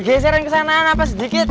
geseran kesana apa sedikit